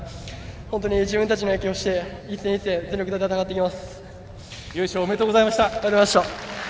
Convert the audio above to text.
本当に自分たちの野球をして一戦一戦、全力で戦ってきます。